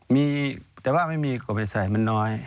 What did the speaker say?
มีแต่ว่าไม่มีก็ไปใส่มันน้อย